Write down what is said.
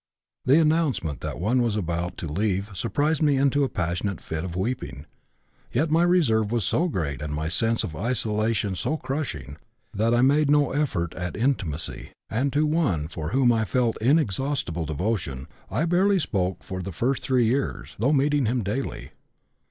The announcement that one was about to leave surprised me into a passionate fit of weeping; yet my reserve was so great and my sense of isolation so crushing that I made no effort at intimacy, and to one for whom I felt inexhaustible devotion I barely spoke for the first three years, though meeting him daily.